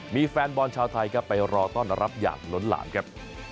มีแฟนบอลชาวไทยครับไปรอต้อนรับอย่างล้นหลามครับ